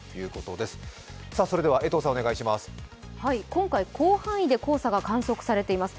今回、広範囲で黄砂が観測されています